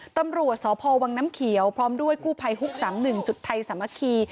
ตำรวจสพวังน้ำเขียวพร้อมด้วยกู้ภัยฮุก๓๑จุดไทยสามัคคี